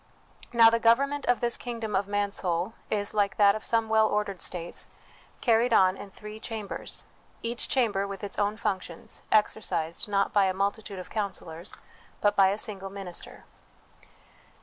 Now, the govern ment of this kingdom of Mansoul is, like that of some well ordered states, carried on in three cham bers, each chamber with its own functions, exercised, not by a multitude of counsellors, but by a single minister.